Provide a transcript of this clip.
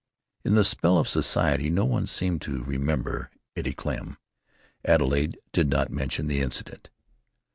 In the spell of society no one seemed to remember Eddie Klemm. Adelaide did not mention the incident.